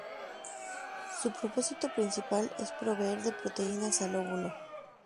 Su propósito principal es proveer de proteínas al óvulo.